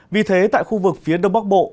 vì thế tại khu vực phía đông bắc bộ